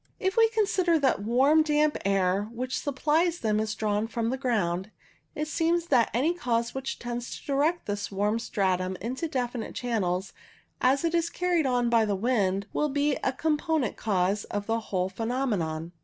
If we consider that the warm damp air which supplies them is drawn from the ground, it seems that any cause which tends to direct this warm stratum into definite channels, as it is carried on by the wind, will be a competent cause of the whole phenomenon.